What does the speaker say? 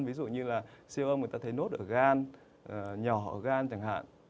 ví dụ như là siêu âm người ta thấy nốt ở gan nhỏ ở gan thẳng hạn